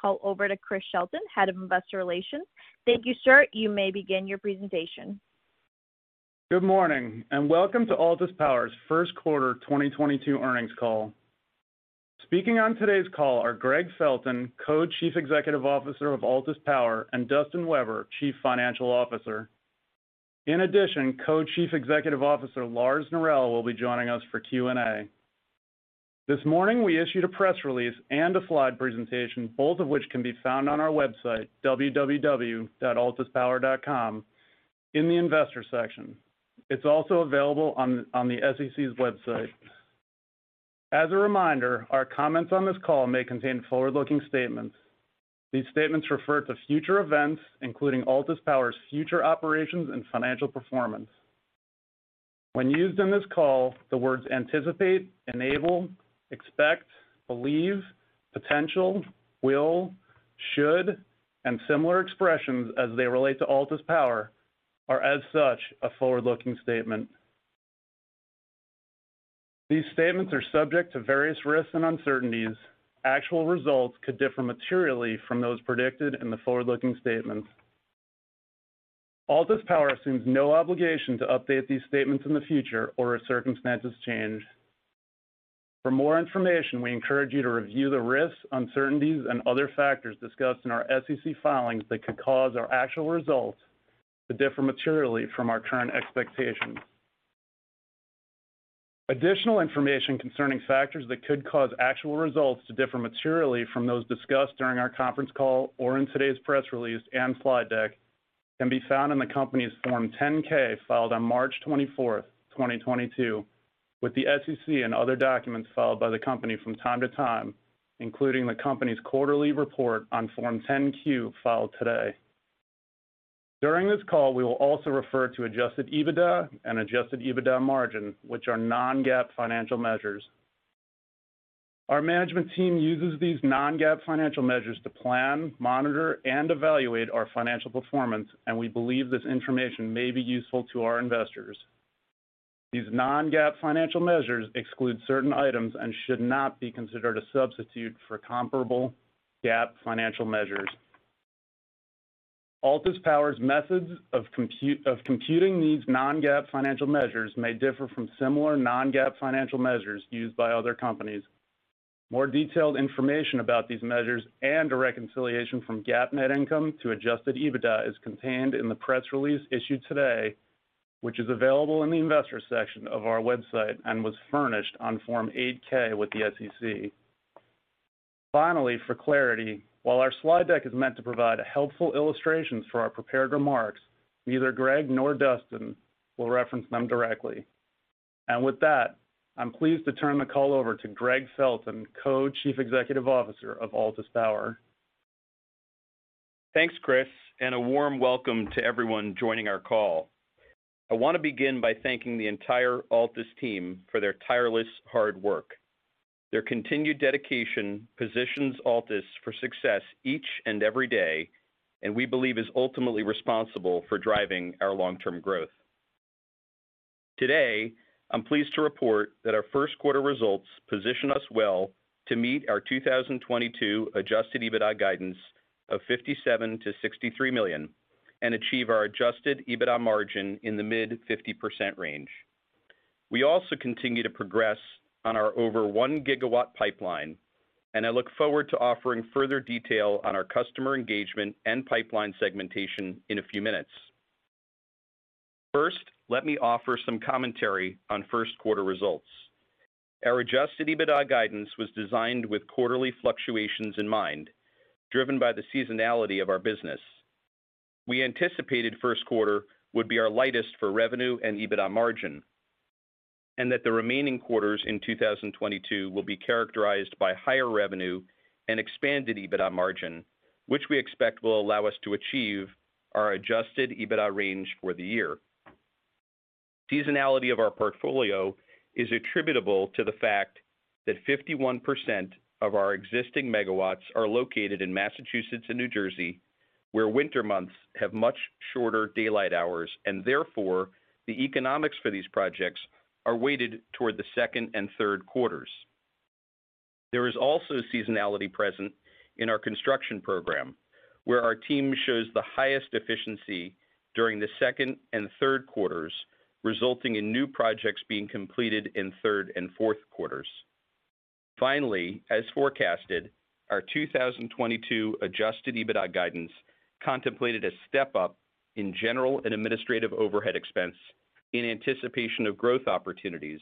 Call over to Chris Shelton, Head of Investor Relations. Thank you, sir. You may begin your presentation. Good morning, and welcome to Altus Power's Q1 2022 Earnings Call. Speaking on today's call are Gregg Felton, Co-Chief Executive Officer of Altus Power, and Dustin Weber, Chief Financial Officer. In addition, Co-Chief Executive Officer Lars Norell will be joining us for Q&A. This morning, we issued a press release and a slide presentation, both of which can be found on our website, www.altuspower.com, in the Investors section. It's also available on the SEC's website. As a reminder, our comments on this call may contain forward-looking statements. These statements refer to future events, including Altus Power's future operations and financial performance. When used in this call, the words anticipate, enable, expect, believe, potential, will, should, and similar expressions as they relate to Altus Power are as such a forward-looking statement. These statements are subject to various risks and uncertainties. Actual results could differ materially from those predicted in the forward-looking statements. Altus Power assumes no obligation to update these statements in the future or if circumstances change. For more information, we encourage you to review the risks, uncertainties, and other factors discussed in our SEC filings that could cause our actual results to differ materially from our current expectations. Additional information concerning factors that could cause actual results to differ materially from those discussed during our conference call or in today's press release and slide deck can be found in the company's Form 10-K filed on March 24, 2022, with the SEC and other documents filed by the company from time to time, including the company's quarterly report on Form 10-Q filed today. During this call, we will also refer to adjusted EBITDA and adjusted EBITDA margin, which are non-GAAP financial measures. Our management team uses these non-GAAP financial measures to plan, monitor, and evaluate our financial performance, and we believe this information may be useful to our investors. These non-GAAP financial measures exclude certain items and should not be considered a substitute for comparable GAAP financial measures. Altus Power's methods of computing these non-GAAP financial measures may differ from similar non-GAAP financial measures used by other companies. More detailed information about these measures and a reconciliation from GAAP net income to adjusted EBITDA is contained in the press release issued today, which is available in the Investors section of our website and was furnished on Form 8-K with the SEC. Finally, for clarity, while our slide deck is meant to provide helpful illustrations for our prepared remarks, neither Gregg nor Dustin will reference them directly. With that, I'm pleased to turn the call over to Gregg Felton, Co-Chief Executive Officer of Altus Power. Thanks, Chris, and a warm welcome to everyone joining our call. I want to begin by thanking the entire Altus team for their tireless hard work. Their continued dedication positions Altus for success each and every day, and we believe is ultimately responsible for driving our long-term growth. Today, I'm pleased to report that our Q1 results position us well to meet our 2022 adjusted EBITDA guidance of $57 million-$63 million and achieve our adjusted EBITDA margin in the mid-50% range. We also continue to progress on our over 1 gigawatt pipeline, and I look forward to offering further detail on our customer engagement and pipeline segmentation in a few minutes. First, let me offer some commentary on Q1 results. Our adjusted EBITDA guidance was designed with quarterly fluctuations in mind, driven by the seasonality of our business. We anticipated Q1 would be our lightest for revenue and EBITDA margin, and that the remaining quarters in 2022 will be characterized by higher revenue and expanded EBITDA margin, which we expect will allow us to achieve our adjusted EBITDA range for the year. Seasonality of our portfolio is attributable to the fact that 51% of our existing megawatts are located in Massachusetts and New Jersey, where winter months have much shorter daylight hours, and therefore, the economics for these projects are weighted toward the Q2 and Q3. There is also seasonality present in our construction program, where our team shows the highest efficiency during the Q2 and Q3, resulting in new projects being completed in Q3 and Q4. Finally, as forecasted, our 2022 adjusted EBITDA guidance contemplated a step-up in general and administrative overhead expense in anticipation of growth opportunities,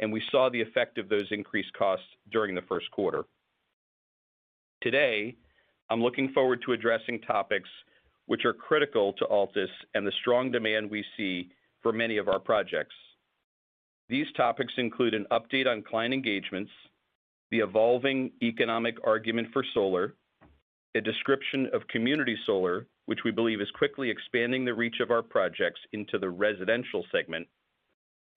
and we saw the effect of those increased costs during the Q1. Today, I'm looking forward to addressing topics which are critical to Altus and the strong demand we see for many of our projects. These topics include an update on client engagements, the evolving economic argument for solar, a description of community solar, which we believe is quickly expanding the reach of our projects into the residential segment,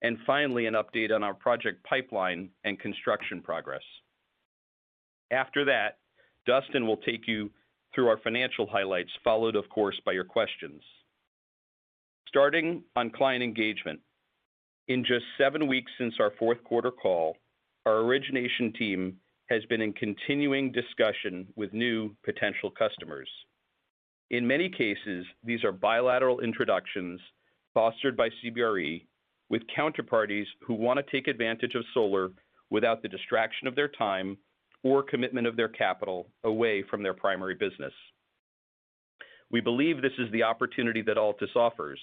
and finally, an update on our project pipeline and construction progress. After that, Dustin will take you through our financial highlights, followed of course, by your questions. Starting on client engagement. In just 7 weeks since our Q4 call, our origination team has been in continuing discussion with new potential customers. In many cases, these are bilateral introductions fostered by CBRE with counterparties who wanna take advantage of solar without the distraction of their time or commitment of their capital away from their primary business. We believe this is the opportunity that Altus offers,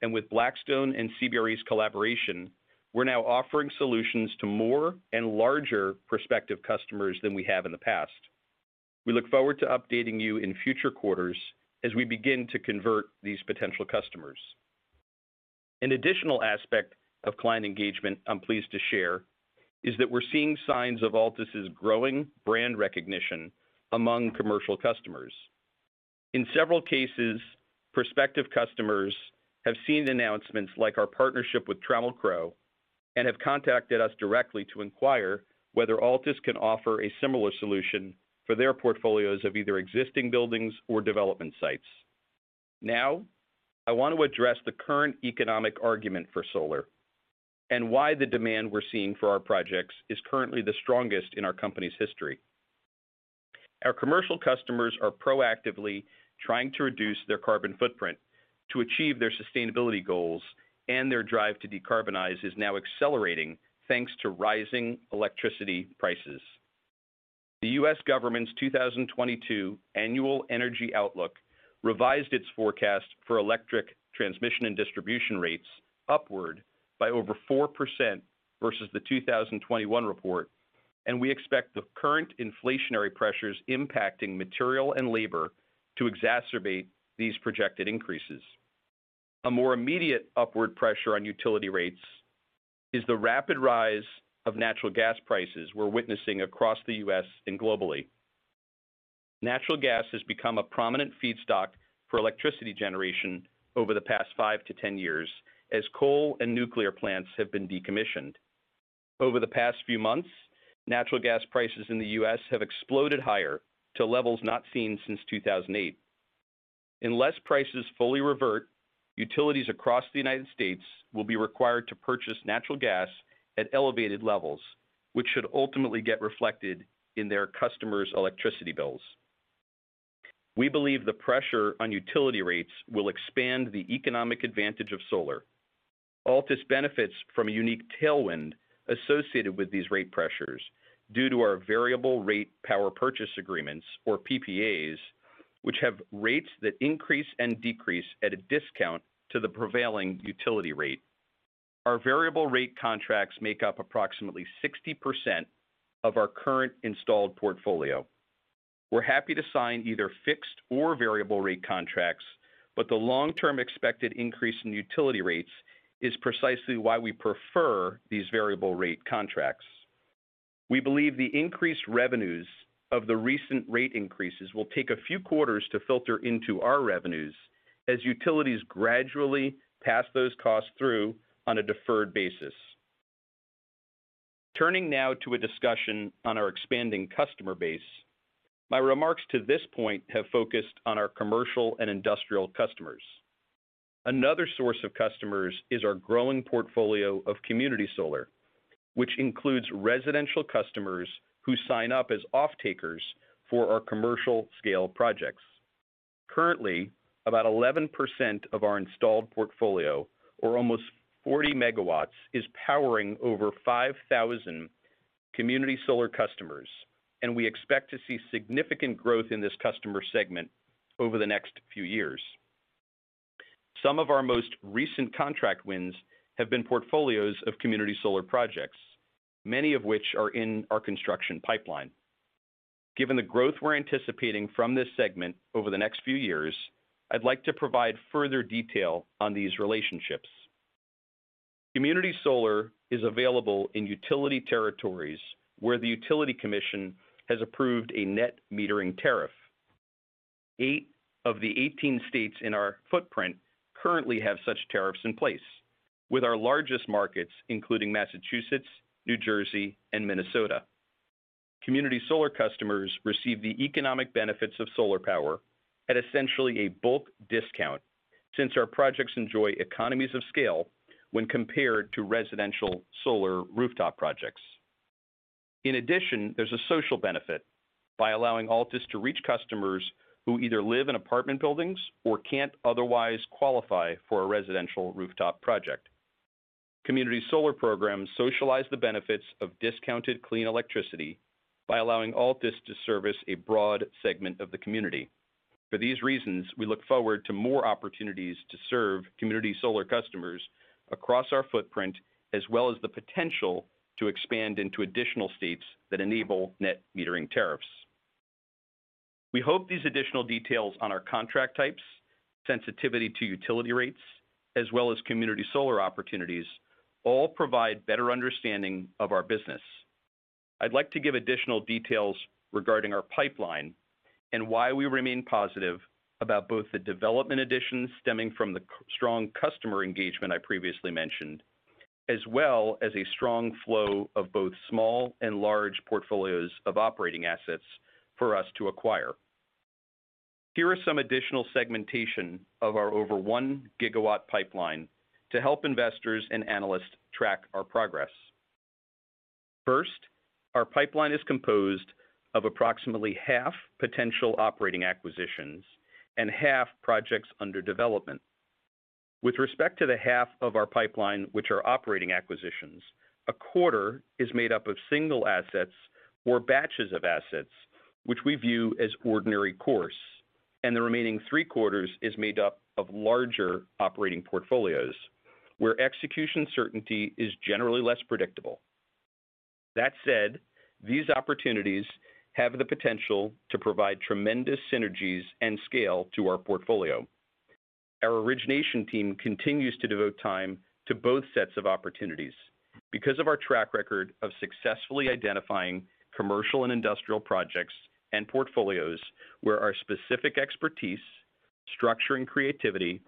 and with Blackstone and CBRE's collaboration, we're now offering solutions to more and larger prospective customers than we have in the past. We look forward to updating you in future quarters as we begin to convert these potential customers. An additional aspect of client engagement I'm pleased to share is that we're seeing signs of Altus' growing brand recognition among commercial customers. In several cases, prospective customers have seen announcements like our partnership with Trammell Crow and have contacted us directly to inquire whether Altus can offer a similar solution for their portfolios of either existing buildings or development sites. Now, I want to address the current economic argument for solar and why the demand we're seeing for our projects is currently the strongest in our company's history. Our commercial customers are proactively trying to reduce their carbon footprint to achieve their sustainability goals, and their drive to decarbonize is now accelerating thanks to rising electricity prices. The U.S. government's 2022 Annual Energy Outlook revised its forecast for electric transmission and distribution rates upward by over 4% versus the 2021 report, and we expect the current inflationary pressures impacting material and labor to exacerbate these projected increases. A more immediate upward pressure on utility rates is the rapid rise of natural gas prices we're witnessing across the U.S. and globally. Natural gas has become a prominent feedstock for electricity generation over the past five-10 years as coal and nuclear plants have been decommissioned. Over the past few months, natural gas prices in the U.S. have exploded higher to levels not seen since 2008. Unless prices fully revert, utilities across the United States will be required to purchase natural gas at elevated levels, which should ultimately get reflected in their customers' electricity bills. We believe the pressure on utility rates will expand the economic advantage of solar. Altus benefits from a unique tailwind associated with these rate pressures due to our variable rate power purchase agreements, or PPAs, which have rates that increase and decrease at a discount to the prevailing utility rate. Our variable rate contracts make up approximately 60% of our current installed portfolio. We're happy to sign either fixed or variable rate contracts, but the long-term expected increase in utility rates is precisely why we prefer these variable rate contracts. We believe the increased revenues of the recent rate increases will take a few quarters to filter into our revenues as utilities gradually pass those costs through on a deferred basis. Turning now to a discussion on our expanding customer base. My remarks to this point have focused on our commercial and industrial customers. Another source of customers is our growing portfolio of community solar, which includes residential customers who sign up as off-takers for our commercial scale projects. Currently, about 11% of our installed portfolio or almost 40 MW, is powering over 5,000 community solar customers, and we expect to see significant growth in this customer segment over the next few years. Some of our most recent contract wins have been portfolios of community solar projects, many of which are in our construction pipeline. Given the growth we're anticipating from this segment over the next few years, I'd like to provide further detail on these relationships. Community solar is available in utility territories where the utility commission has approved a net metering tariff. 8 of the 18 states in our footprint currently have such tariffs in place, with our largest markets, including Massachusetts, New Jersey, and Minnesota. Community solar customers receive the economic benefits of solar power at essentially a bulk discount, since our projects enjoy economies of scale when compared to residential solar rooftop projects. In addition, there's a social benefit by allowing Altus to reach customers who either live in apartment buildings or can't otherwise qualify for a residential rooftop project. Community solar programs socialize the benefits of discounted clean electricity by allowing Altus to service a broad segment of the community. For these reasons, we look forward to more opportunities to serve community solar customers across our footprint, as well as the potential to expand into additional states that enable net metering tariffs. We hope these additional details on our contract types, sensitivity to utility rates, as well as community solar opportunities, all provide better understanding of our business. I'd like to give additional details regarding our pipeline and why we remain positive about both the development additions stemming from the strong customer engagement I previously mentioned, as well as a strong flow of both small and large portfolios of operating assets for us to acquire. Here are some additional segmentation of our over 1 GW pipeline to help investors and analysts track our progress. First, our pipeline is composed of approximately half potential operating acquisitions and half projects under development. With respect to the half of our pipeline which are operating acquisitions, a quarter is made up of single assets or batches of assets, which we view as ordinary course, and the remaining three-quarters is made up of larger operating portfolios where execution certainty is generally less predictable. That said, these opportunities have the potential to provide tremendous synergies and scale to our portfolio. Our origination team continues to devote time to both sets of opportunities because of our track record of successfully identifying commercial and industrial projects and portfolios where our specific expertise, structuring creativity,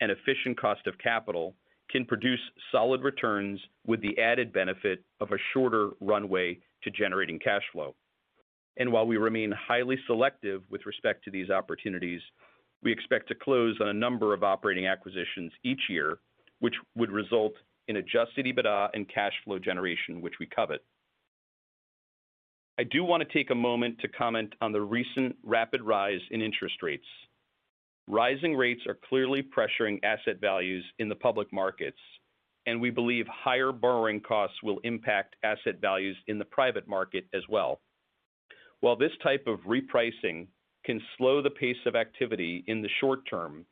and efficient cost of capital can produce solid returns with the added benefit of a shorter runway to generating cash flow. While we remain highly selective with respect to these opportunities, we expect to close on a number of operating acquisitions each year, which would result in adjusted EBITDA and cash flow generation, which we covet. I do want to take a moment to comment on the recent rapid rise in interest rates. Rising rates are clearly pressuring asset values in the public markets, and we believe higher borrowing costs will impact asset values in the private market as well. While this type of repricing can slow the pace of activity in the short term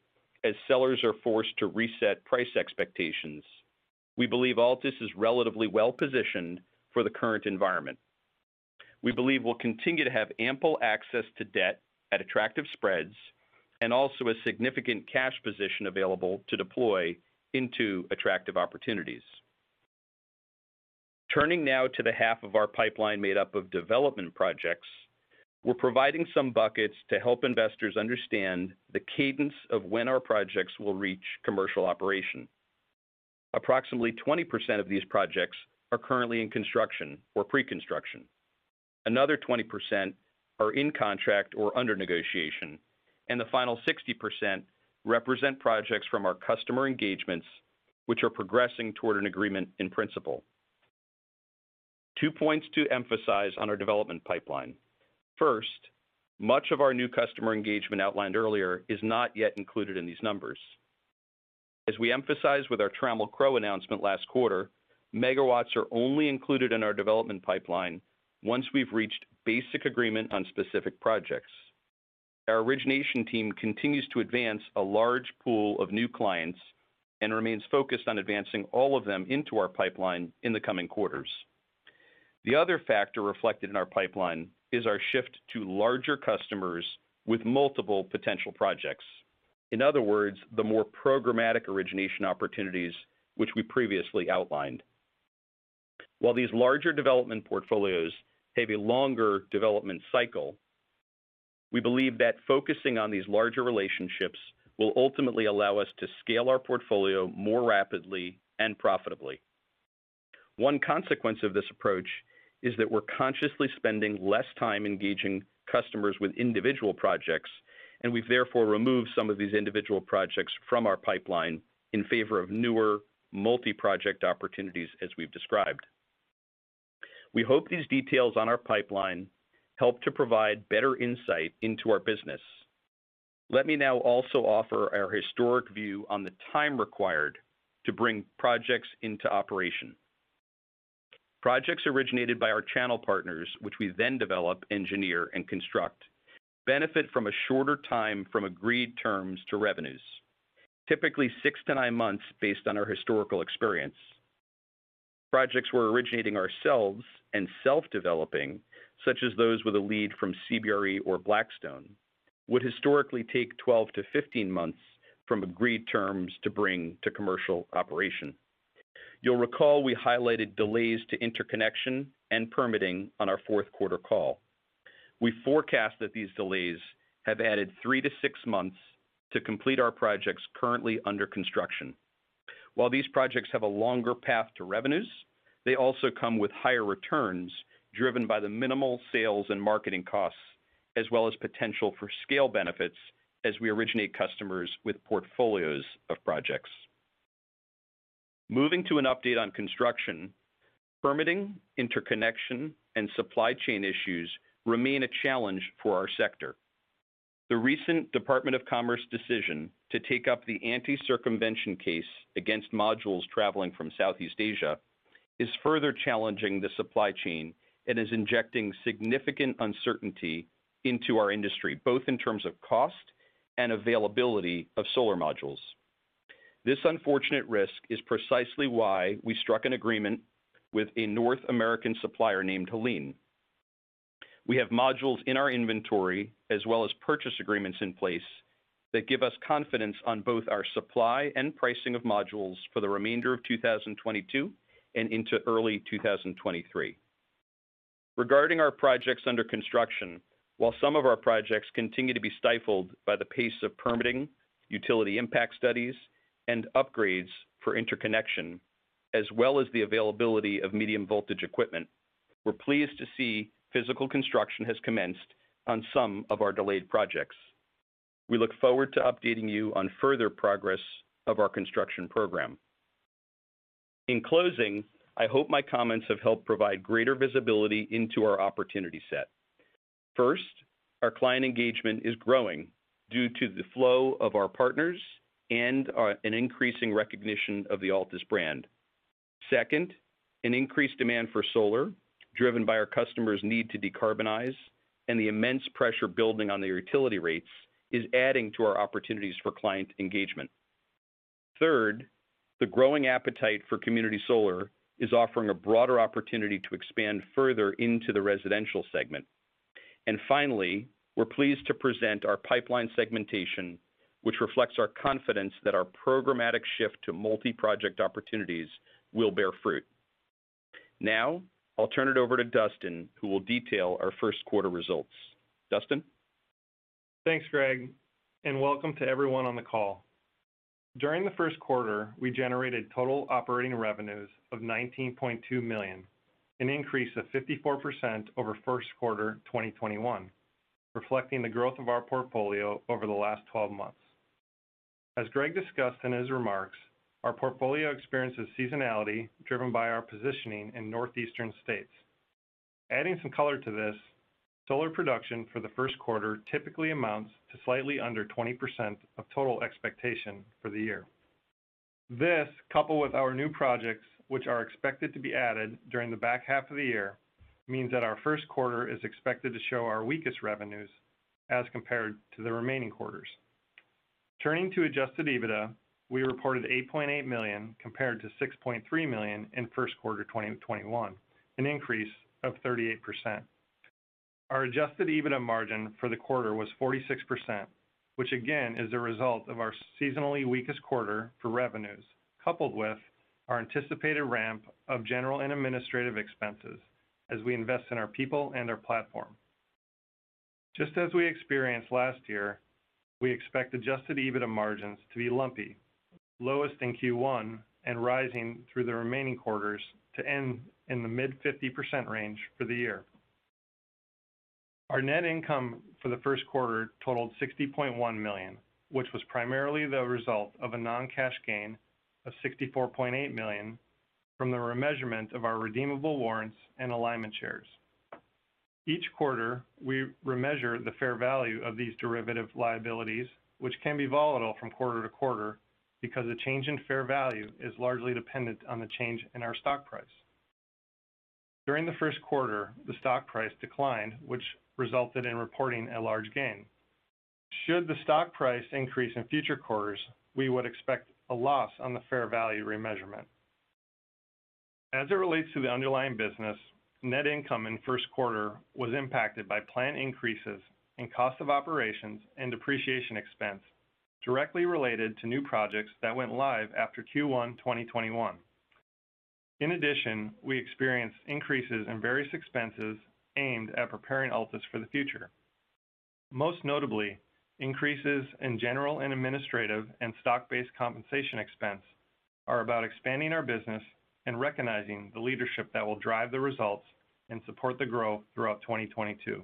as sellers are forced to reset price expectations, we believe Altus is relatively well-positioned for the current environment. We believe we'll continue to have ample access to debt at attractive spreads and also a significant cash position available to deploy into attractive opportunities. Turning now to the half of our pipeline made up of development projects, we're providing some buckets to help investors understand the cadence of when our projects will reach commercial operation. Approximately 20% of these projects are currently in construction or pre-construction. Another 20% are in contract or under negotiation, and the final 60% represent projects from our customer engagements, which are progressing toward an agreement in principle. Two points to emphasize on our development pipeline. First, much of our new customer engagement outlined earlier is not yet included in these numbers. As we emphasized with our Trammell Crow announcement last quarter, megawatts are only included in our development pipeline once we've reached basic agreement on specific projects. Our origination team continues to advance a large pool of new clients and remains focused on advancing all of them into our pipeline in the coming quarters. The other factor reflected in our pipeline is our shift to larger customers with multiple potential projects. In other words, the more programmatic origination opportunities, which we previously outlined. While these larger development portfolios have a longer development cycle, we believe that focusing on these larger relationships will ultimately allow us to scale our portfolio more rapidly and profitably. One consequence of this approach is that we're consciously spending less time engaging customers with individual projects, and we've therefore removed some of these individual projects from our pipeline in favor of newer multi-project opportunities as we've described. We hope these details on our pipeline help to provide better insight into our business. Let me now also offer our historic view on the time required to bring projects into operation. Projects originated by our channel partners, which we then develop, engineer, and construct, benefit from a shorter time from agreed terms to revenues, typically 6-9 months based on our historical experience. Projects we're originating ourselves and self-developing, such as those with a lead from CBRE or Blackstone, would historically take 12-15 months from agreed terms to bring to commercial operation. You'll recall we highlighted delays to interconnection and permitting on our Q4 call. We forecast that these delays have added 3-6 months to complete our projects currently under construction. While these projects have a longer path to revenues, they also come with higher returns driven by the minimal sales and marketing costs, as well as potential for scale benefits as we originate customers with portfolios of projects. Moving to an update on construction, permitting, interconnection, and supply chain issues remain a challenge for our sector. The recent U.S. Department of Commerce decision to take up the anti-circumvention case against modules traveling from Southeast Asia is further challenging the supply chain and is injecting significant uncertainty into our industry, both in terms of cost and availability of solar modules. This unfortunate risk is precisely why we struck an agreement with a North American supplier named Heliene. We have modules in our inventory as well as purchase agreements in place that give us confidence on both our supply and pricing of modules for the remainder of 2022 and into early 2023. Regarding our projects under construction, while some of our projects continue to be stifled by the pace of permitting, utility impact studies, and upgrades for interconnection, as well as the availability of medium voltage equipment, we're pleased to see physical construction has commenced on some of our delayed projects. We look forward to updating you on further progress of our construction program. In closing, I hope my comments have helped provide greater visibility into our opportunity set. First, our client engagement is growing due to the flow of our partners and an increasing recognition of the Altus brand. Second, an increased demand for solar, driven by our customers' need to decarbonize and the immense pressure building on their utility rates, is adding to our opportunities for client engagement. Third, the growing appetite for community solar is offering a broader opportunity to expand further into the residential segment. Finally, we're pleased to present our pipeline segmentation, which reflects our confidence that our programmatic shift to multi-project opportunities will bear fruit. Now, I'll turn it over to Dustin, who will detail our Q1 results. Dustin? Thanks, Gregg, and welcome to everyone on the call. During the Q1, we generated total operating revenues of $19.2 million, an increase of 54% over Q1 2021, reflecting the growth of our portfolio over the last 12 months. As Gregg discussed in his remarks, our portfolio experiences seasonality driven by our positioning in northeastern states. Adding some color to this, solar production for the Q1 typically amounts to slightly under 20% of total expectation for the year. This, coupled with our new projects, which are expected to be added during the back half of the year, means that our Q1 is expected to show our weakest revenues as compared to the remaining quarters. Turning to adjusted EBITDA, we reported $8.8 million compared to $6.3 million in Q1 2021, an increase of 38%. Our adjusted EBITDA margin for the quarter was 46%, which again is a result of our seasonally weakest quarter for revenues, coupled with our anticipated ramp of general and administrative expenses as we invest in our people and our platform. Just as we experienced last year, we expect adjusted EBITDA margins to be lumpy, lowest in Q1 and rising through the remaining quarters to end in the mid-50% range for the year. Our net income for the Q1 totaled $60.1 million, which was primarily the result of a non-cash gain of $64.8 million from the remeasurement of our redeemable warrants and alignment shares. Each quarter, we remeasure the fair value of these derivative liabilities, which can be volatile from quarter-to-quarter because a change in fair value is largely dependent on the change in our stock price. During the Q1, the stock price declined, which resulted in reporting a large gain. Should the stock price increase in future quarters, we would expect a loss on the fair value remeasurement. As it relates to the underlying business, net income in Q1 was impacted by planned increases in cost of operations and depreciation expense directly related to new projects that went live after Q1 2021. In addition, we experienced increases in various expenses aimed at preparing Altus for the future. Most notably, increases in general and administrative and stock-based compensation expense are about expanding our business and recognizing the leadership that will drive the results and support the growth throughout 2022.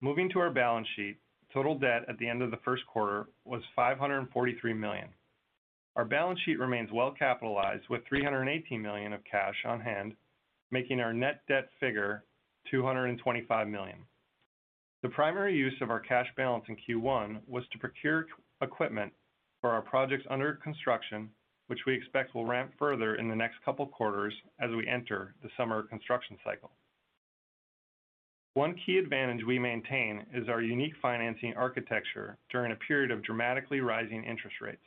Moving to our balance sheet, total debt at the end of the Q1 was $543 million. Our balance sheet remains well-capitalized with $318 million of cash on hand, making our net debt figure $225 million. The primary use of our cash balance in Q1 was to procure equipment for our projects under construction, which we expect will ramp further in the next couple quarters as we enter the summer construction cycle. One key advantage we maintain is our unique financing architecture during a period of dramatically rising interest rates.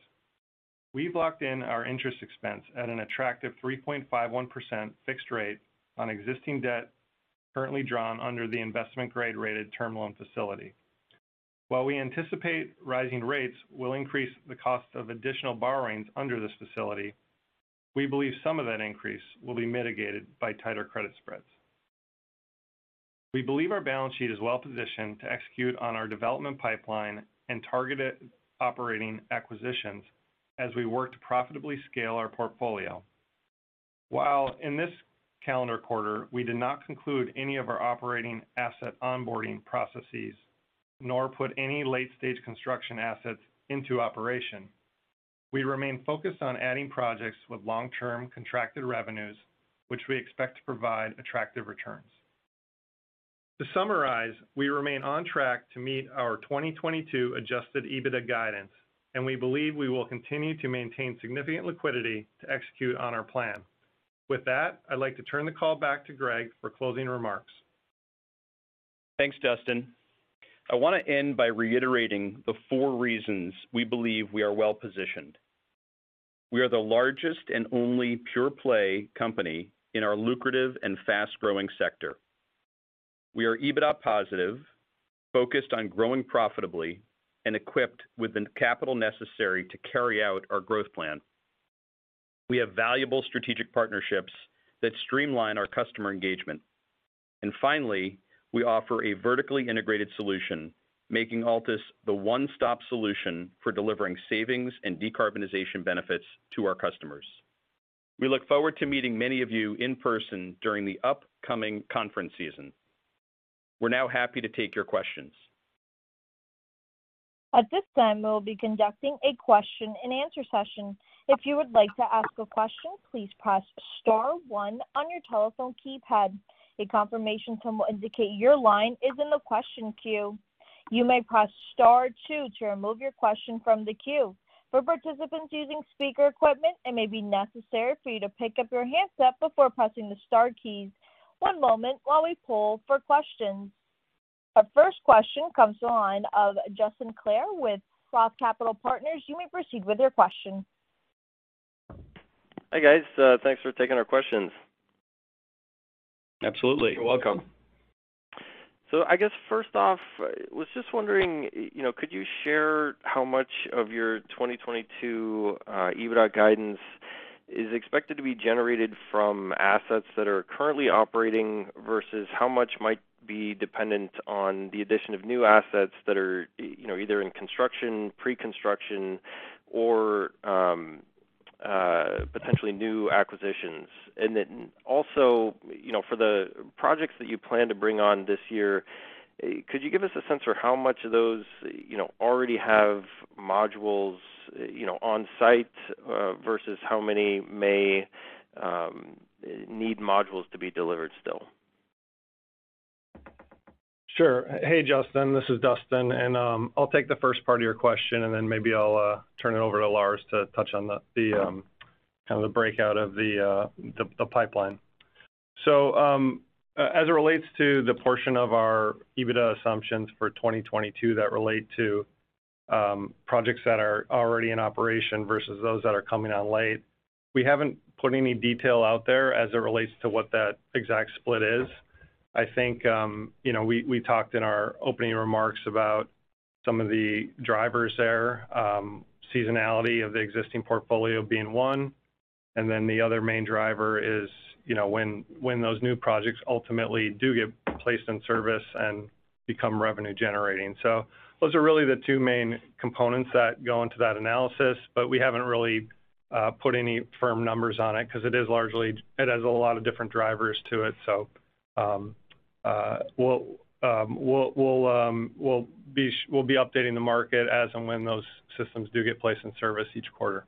We've locked in our interest expense at an attractive 3.51% fixed rate on existing debt currently drawn under the investment grade rated term loan facility. While we anticipate rising rates will increase the cost of additional borrowings under this facility, we believe some of that increase will be mitigated by tighter credit spreads. We believe our balance sheet is well-positioned to execute on our development pipeline and targeted operating acquisitions as we work to profitably scale our portfolio. While in this calendar quarter, we did not conclude any of our operating asset onboarding processes, nor put any late-stage construction assets into operation, we remain focused on adding projects with long-term contracted revenues, which we expect to provide attractive returns. To summarize, we remain on track to meet our 2022 adjusted EBITDA guidance, and we believe we will continue to maintain significant liquidity to execute on our plan. With that, I'd like to turn the call back to Gregg for closing remarks. Thanks, Dustin. I want to end by reiterating the four reasons we believe we are well-positioned. We are the largest and only pure play company in our lucrative and fast-growing sector. We are EBITDA positive, focused on growing profitably, and equipped with the capital necessary to carry out our growth plan. We have valuable strategic partnerships that streamline our customer engagement. Finally, we offer a vertically integrated solution, making Altus the one-stop solution for delivering savings and decarbonization benefits to our customers. We look forward to meeting many of you in person during the upcoming conference season. We're now happy to take your questions. At this time, we'll be conducting a question-and-answer session. If you would like to ask a question, please press star one on your telephone keypad. A confirmation tone will indicate your line is in the question queue. You may press star two to remove your question from the queue. For participants using speaker equipment, it may be necessary for you to pick up your handset before pressing the star keys. One moment while we poll for questions. Our first question comes to the line of Justin Clare with Roth Capital Partners. You may proceed with your question. Hi, guys. Thanks for taking our questions. Absolutely. You're welcome. I guess first off, was just wondering, you know, could you share how much of your 2022 EBITDA guidance is expected to be generated from assets that are currently operating versus how much might be dependent on the addition of new assets that are, you know, either in construction, pre-construction or potentially new acquisitions? Then also, you know, for the projects that you plan to bring on this year, could you give us a sense for how much of those, you know, already have modules, you know, on site versus how many may need modules to be delivered still? Sure. Hey, Justin, this is Dustin, and I'll take the first part of your question, and then maybe I'll turn it over to Lars to touch on the kind of the breakdown of the pipeline. As it relates to the portion of our EBITDA assumptions for 2022 that relate to projects that are already in operation versus those that are coming online, we haven't put any detail out there as it relates to what that exact split is. I think, you know, we talked in our opening remarks about some of the drivers there, seasonality of the existing portfolio being one, and then the other main driver is, you know, when those new projects ultimately do get placed in service and become revenue generating. Those are really the two main components that go into that analysis, but we haven't really put any firm numbers on it because it has a lot of different drivers to it. We'll be updating the market as and when those systems do get placed in service each quarter.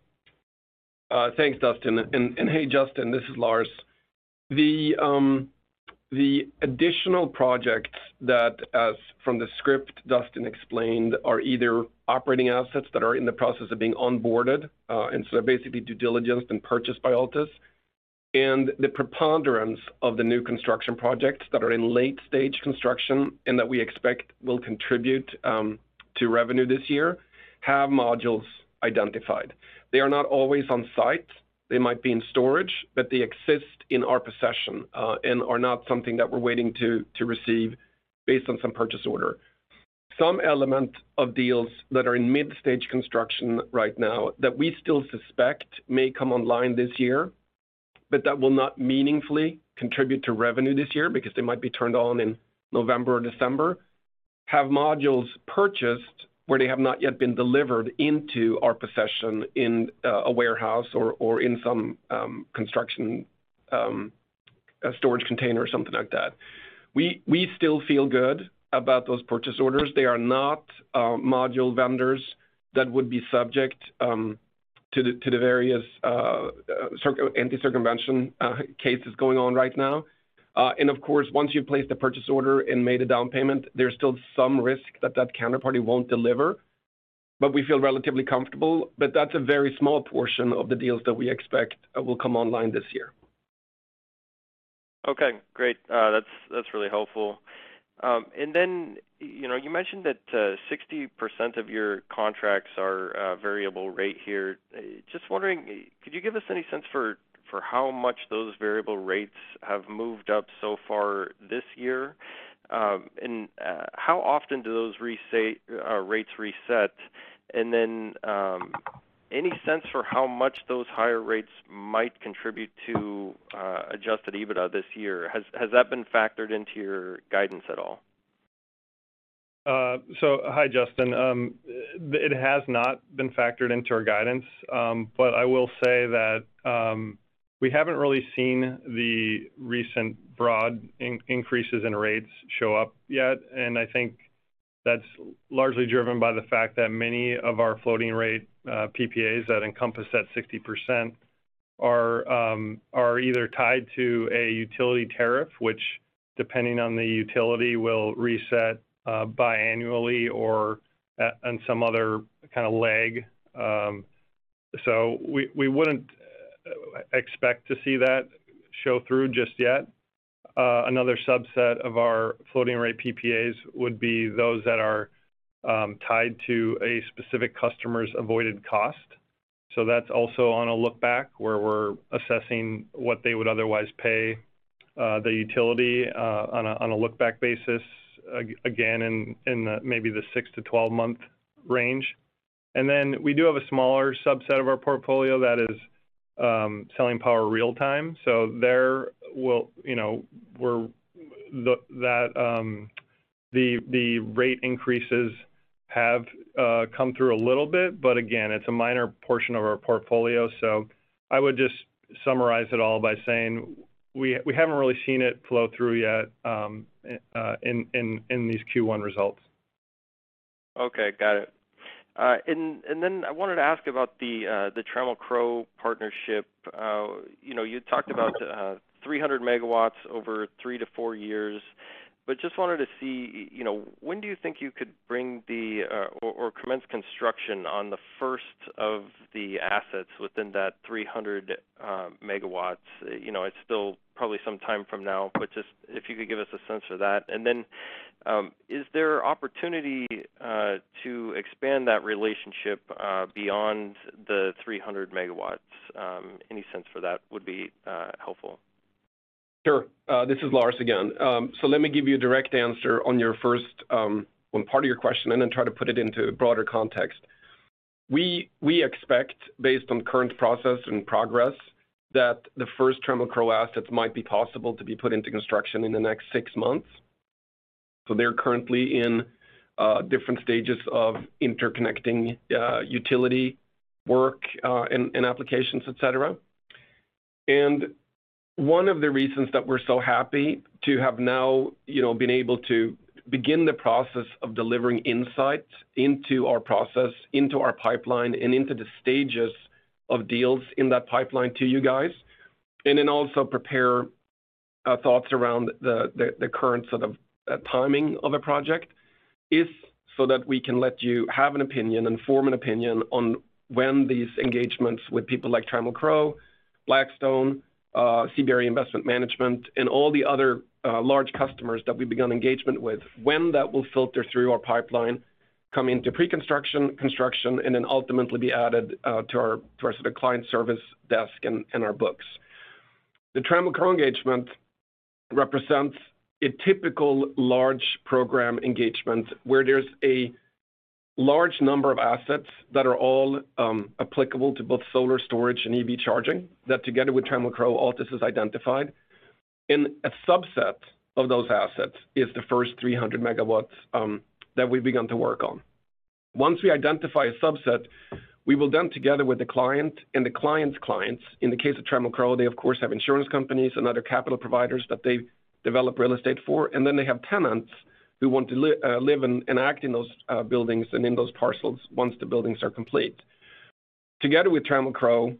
Thanks, Dustin. Hey, Justin, this is Lars. The additional projects that as from the script Dustin explained are either operating assets that are in the process of being onboarded, and so they're basically due diligence and purchased by Altus. The preponderance of the new construction projects that are in late-stage construction and that we expect will contribute to revenue this year have modules identified. They are not always on site. They might be in storage, but they exist in our possession, and are not something that we're waiting to receive based on some purchase order. Some element of deals that are in mid-stage construction right now that we still suspect may come online this year, but that will not meaningfully contribute to revenue this year because they might be turned on in November or December, have modules purchased where they have not yet been delivered into our possession in a warehouse or in some construction, a storage container or something like that. We still feel good about those purchase orders. They are not module vendors that would be subject to the various anti-circumvention cases going on right now. Of course, once you place the purchase order and made a down payment, there's still some risk that that counterparty won't deliver. We feel relatively comfortable, but that's a very small portion of the deals that we expect will come online this year. Okay, great. That's really helpful. And then, you know, you mentioned that 60% of your contracts are variable rate here. Just wondering, could you give us any sense for how much those variable rates have moved up so far this year? And how often do those rates reset? And then, any sense for how much those higher rates might contribute to adjusted EBITDA this year? Has that been factored into your guidance at all? Hi, Justin. It has not been factored into our guidance. I will say that we haven't really seen the recent broad increases in rates show up yet. I think that's largely driven by the fact that many of our floating rate PPAs that encompass that 60% are either tied to a utility tariff, which depending on the utility, will reset biannually or on some other kind of lag. We wouldn't expect to see that show through just yet. Another subset of our floating rate PPAs would be those that are tied to a specific customer's avoided cost. That's also on a look back where we're assessing what they would otherwise pay. The utility on a look back basis again in the maybe six-12-month range. Then we do have a smaller subset of our portfolio that is selling power real time. There, you know, that the rate increases have come through a little bit, but again, it's a minor portion of our portfolio, so I would just summarize it all by saying we haven't really seen it flow through yet in these Q1 results. Okay, got it. I wanted to ask about the Trammell Crow partnership. You know, you talked about 300 MW over three-four years, but just wanted to see, you know, when do you think you could bring the or commence construction on the first of the assets within that 300 MW? You know, it's still probably some time from now, but just if you could give us a sense of that. Is there opportunity to expand that relationship beyond the 300 MW? Any sense for that would be helpful. Sure. This is Lars again. Let me give you a direct answer on your first, well part of your question, and then try to put it into a broader context. We expect based on current process and progress that the first Trammell Crow assets might be possible to be put into construction in the next six months. They're currently in different stages of interconnecting utility work and applications, et cetera. One of the reasons that we're so happy to have now, you know, been able to begin the process of delivering insights into our process, into our pipeline, and into the stages of deals in that pipeline to you guys, and then also prepare thoughts around the current sort of timing of a project is so that we can let you have an opinion and form an opinion on when these engagements with people like Trammell Crow, Blackstone, CBRE Investment Management, and all the other large customers that we've begun engagement with, when that will filter through our pipeline, come into pre-construction, construction, and then ultimately be added to our sort of client service desk and our books. The Trammell Crow engagement represents a typical large program engagement where there's a large number of assets that are all applicable to both solar storage and EV charging that together with Trammell Crow, Altus has identified. A subset of those assets is the first 300 megawatts that we've begun to work on. Once we identify a subset, we will then, together with the client and the client's clients, in the case of Trammell Crow, they of course have insurance companies and other capital providers that they develop real estate for, and then they have tenants who want to live and act in those buildings and in those parcels once the buildings are complete. Together with Trammell Crow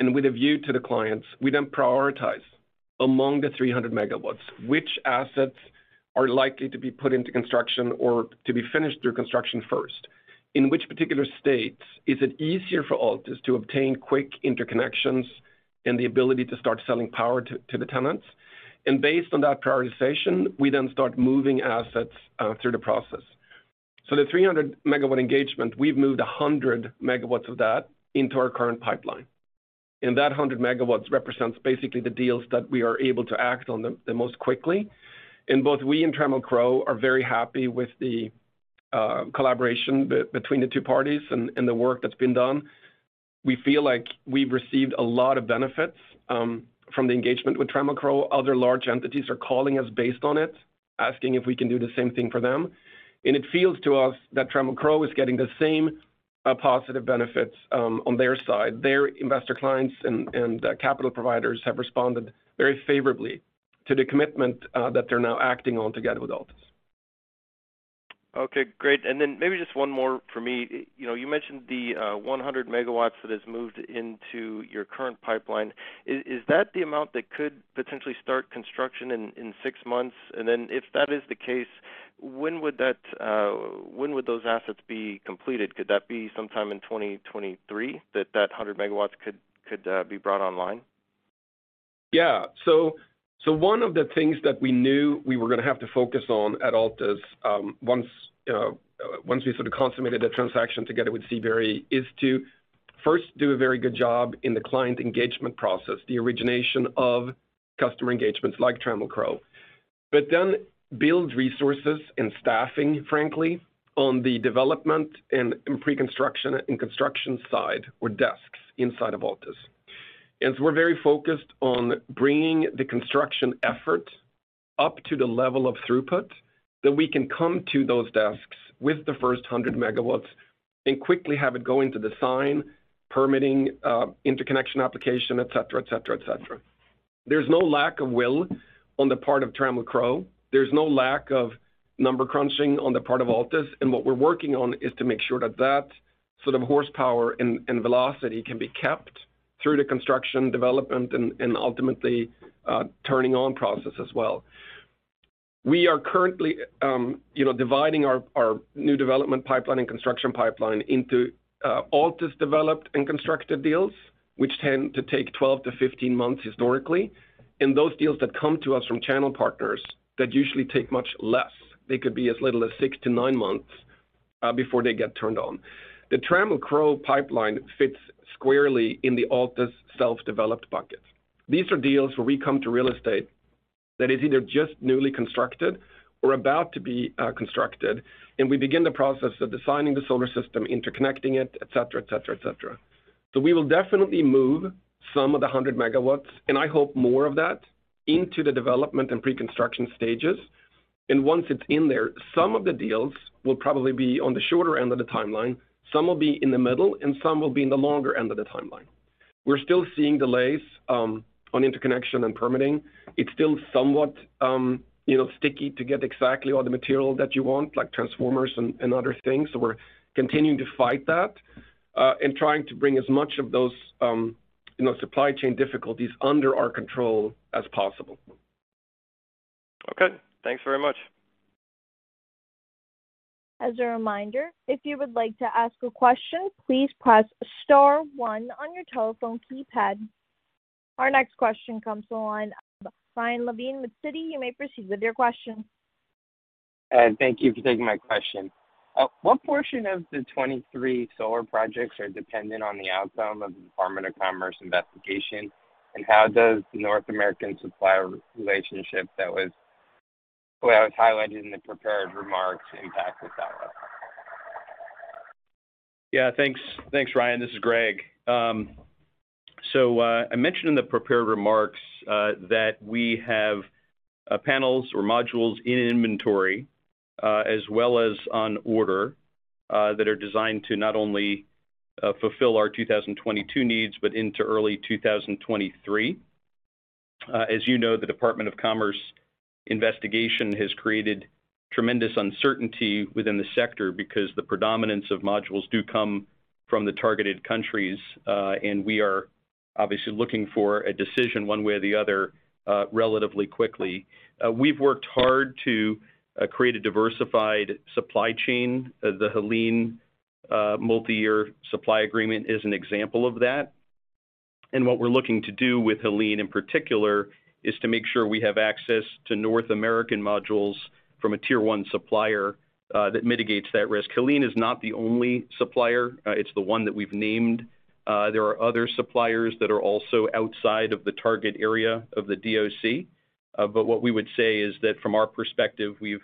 and with a view to the clients, we then prioritize among the 300 megawatts which assets are likely to be put into construction or to be finished through construction first. In which particular states is it easier for Altus to obtain quick interconnections and the ability to start selling power to the tenants? Based on that prioritization, we then start moving assets through the process. The 300 megawatt engagement, we've moved 100 megawatts of that into our current pipeline. That 100 megawatts represents basically the deals that we are able to act on the most quickly. Both we and Trammell Crow are very happy with the collaboration between the two parties and the work that's been done. We feel like we've received a lot of benefits from the engagement with Trammell Crow. Other large entities are calling us based on it, asking if we can do the same thing for them. It feels to us that Trammell Crow is getting the same, positive benefits, on their side. Their investor clients and capital providers have responded very favorably to the commitment, that they're now acting on together with Altus. Okay, great. Maybe just one more for me. You know, you mentioned the 100 megawatts that has moved into your current pipeline. Is that the amount that could potentially start construction in six months? If that is the case, when would those assets be completed? Could that be sometime in 2023 that 100 megawatts could be brought online? Yeah. One of the things that we knew we were gonna have to focus on at Altus, once you know we sort of consummated the transaction together with CBRE, is to first do a very good job in the client engagement process, the origination of customer engagements like Trammell Crow. Then build resources and staffing, frankly, on the development and pre-construction and construction side or desks inside of Altus. We're very focused on bringing the construction effort up to the level of throughput that we can come to those desks with the first 100 megawatts and quickly have it go into design, permitting, interconnection application, et cetera. There's no lack of will on the part of Trammell Crow. There's no lack of number crunching on the part of Altus. What we're working on is to make sure that that sort of horsepower and velocity can be kept through the construction development and ultimately turning on process as well. We are currently, you know, dividing our new development pipeline and construction pipeline into Altus developed and constructed deals, which tend to take 12-15 months historically. Those deals that come to us from channel partners that usually take much less, they could be as little as six-nine months before they get turned on. The Trammell Crow pipeline fits squarely in the Altus self-developed bucket. These are deals where we come to real estate that is either just newly constructed or about to be constructed, and we begin the process of designing the solar system, interconnecting it, et cetera, et cetera, et cetera. We will definitely move some of the 100 MW, and I hope more of that into the development and pre-construction stages. Once it's in there, some of the deals will probably be on the shorter end of the timeline, some will be in the middle, and some will be in the longer end of the timeline. We're still seeing delays on interconnection and permitting. It's still somewhat, you know, sticky to get exactly all the material that you want, like transformers and other things, so we're continuing to fight that, and trying to bring as much of those, you know, supply chain difficulties under our control as possible. Okay. Thanks very much. As a reminder, if you would like to ask a question, please press star one on your telephone keypad. Our next question comes from the line of Ryan Levine with Citi. You may proceed with your question. Thank you for taking my question. What portion of the 23 solar projects are dependent on the outcome of the Department of Commerce investigation? How does the North American supplier relationship that was highlighted in the prepared remarks impact with that one? Yeah. Thanks. Thanks, Ryan. This is Gregg. I mentioned in the prepared remarks that we have panels or modules in inventory, as well as on order, that are designed to not only fulfill our 2022 needs, but into early 2023. As you know, the Department of Commerce investigation has created tremendous uncertainty within the sector because the predominance of modules do come from the targeted countries, and we are obviously looking for a decision one way or the other, relatively quickly. We've worked hard to create a diversified supply chain. The Heliene multi-year supply agreement is an example of that. What we're looking to do with Heliene, in particular, is to make sure we have access to North American modules from a tier one supplier that mitigates that risk. Heliene is not the only supplier. It's the one that we've named. There are other suppliers that are also outside of the target area of the DOC. What we would say is that from our perspective, we've,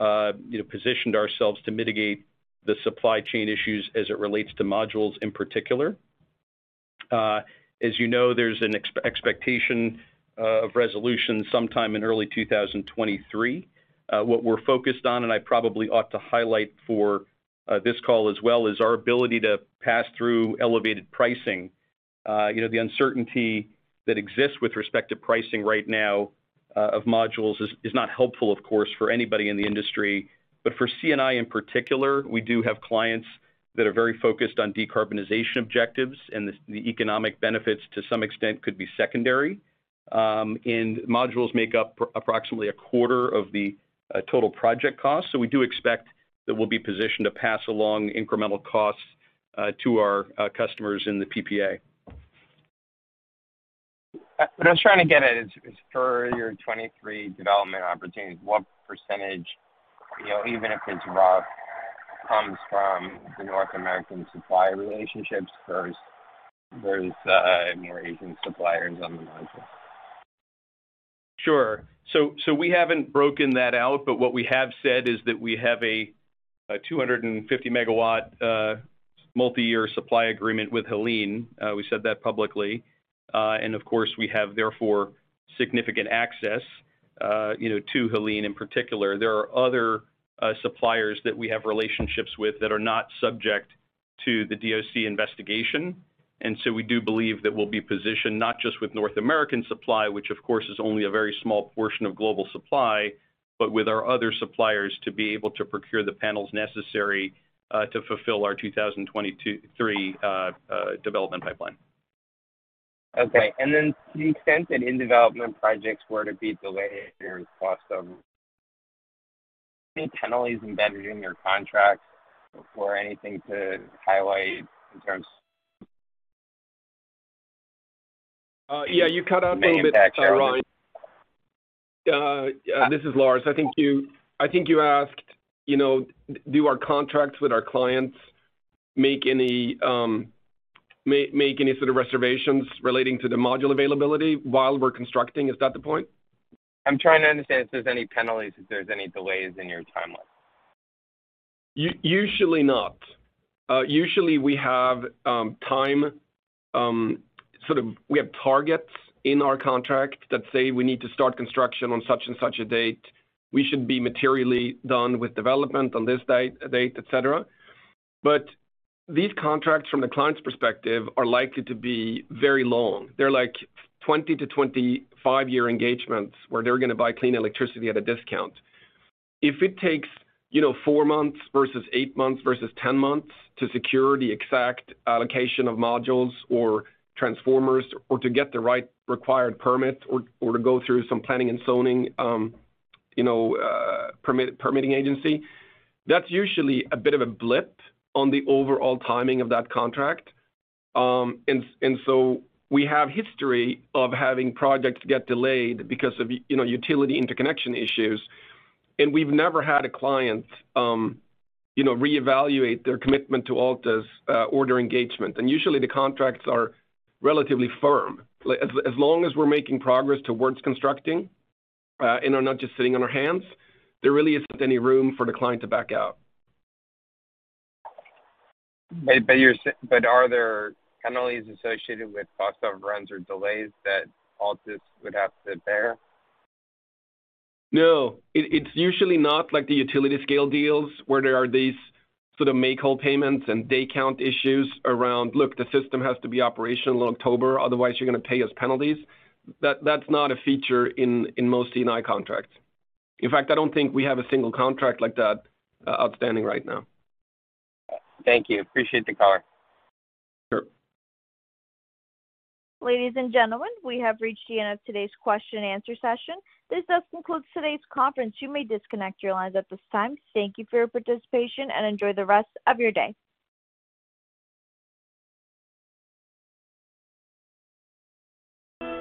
you know, positioned ourselves to mitigate the supply chain issues as it relates to modules in particular. As you know, there's an expectation of resolution sometime in early 2023. What we're focused on, and I probably ought to highlight for this call as well, is our ability to pass through elevated pricing. You know, the uncertainty that exists with respect to pricing right now of modules is not helpful of course for anybody in the industry. For C&I in particular, we do have clients that are very focused on decarbonization objectives, and the economic benefits to some extent could be secondary. Modules make up approximately a quarter of the total project cost. We do expect that we'll be positioned to pass along incremental costs to our customers in the PPA. What I was trying to get at is, for your 23 development opportunities, what percentage, you know, even if it's rough, comes from the North American supplier relationships versus various, more Asian suppliers on the line? Sure. We haven't broken that out, but what we have said is that we have a 250 MW multi-year supply agreement with Heliene. We said that publicly. Of course, we have therefore significant access, you know, to Heliene in particular. There are other suppliers that we have relationships with that are not subject to the DOC investigation. We do believe that we'll be positioned not just with North American supply, which of course is only a very small portion of global supply, but with our other suppliers to be able to procure the panels necessary to fulfill our 2023 development pipeline. Okay. To the extent that in-development projects were to be delayed, incur any costs or any penalties embedded in your contracts or anything to highlight in terms. Yeah, you cut out a bit there, Ryan. Name the contract. Yeah, this is Lars. I think you asked, you know, do our contracts with our clients make any sort of reservations relating to the module availability while we're constructing. Is that the point? I'm trying to understand if there's any penalties if there's any delays in your timeline. Usually not. Usually, we have time, sort of we have targets in our contract that say we need to start construction on such and such a date. We should be materially done with development on this date, et cetera. These contracts from the client's perspective are likely to be very long. They're like 20-25-year engagements where they're gonna buy clean electricity at a discount. If it takes, you know, four months versus eight months versus 10 months to secure the exact allocation of modules or transformers or to get the right required permits or to go through some planning and zoning, you know, permitting agency, that's usually a bit of a blip on the overall timing of that contract. We have history of having projects get delayed because of you know, utility interconnection issues. We've never had a client, you know, reevaluate their commitment to Altus, our engagement. Usually the contracts are relatively firm. As long as we're making progress towards constructing, and are not just sitting on our hands, there really isn't any room for the client to back out. Are there penalties associated with cost overruns or delays that Altus would have to bear? No. It's usually not like the utility scale deals where there are these sort of make-whole payments and day count issues around, "Look, the system has to be operational in October, otherwise you're gonna pay us penalties." That's not a feature in most C&I contracts. In fact, I don't think we have a single contract like that outstanding right now. Thank you. Appreciate the call. Sure. Ladies and gentlemen, we have reached the end of today's question and answer session. This does conclude today's conference. You may disconnect your lines at this time. Thank you for your participation, and enjoy the rest of your day.